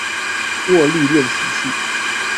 握力練習器